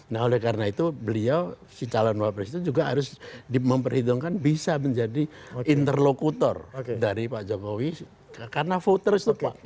nah oleh karena itu beliau si calon wapres itu juga harus diperhitungkan bisa menjadi interlokutor dari pak jokowi karena voters itu pak